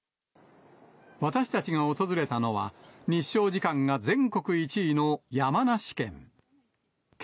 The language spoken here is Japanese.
私たちが訪れたのは、日照時間が全国１位の山梨県。